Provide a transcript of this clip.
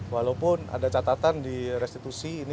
walaupun ada catatan di restitusi ini